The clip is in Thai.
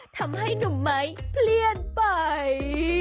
ทำให้หนุ่มไม้เปลี่ยนไป